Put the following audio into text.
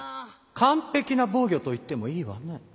完璧な防御と言ってもいいわね。